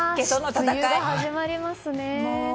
梅雨が始まりますね。